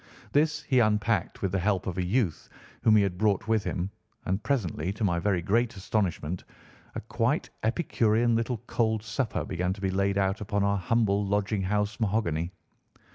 This he unpacked with the help of a youth whom he had brought with him, and presently, to my very great astonishment, a quite epicurean little cold supper began to be laid out upon our humble lodging house mahogany.